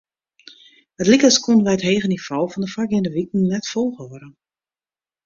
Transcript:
It like as koene wy it hege nivo fan de foargeande wiken net folhâlde.